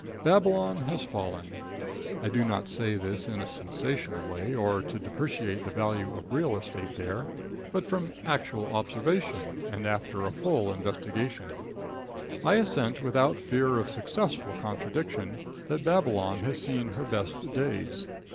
Babylon has fallen. I do not say this in a sensational way or to depreciate the value of real estate there, but from actual observation, and after a full investigation, I assent without fear of successful contradiction, that Babylon has seen her best days.